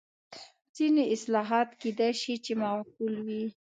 ځینې اصلاحات کېدای شي چې معقول وي.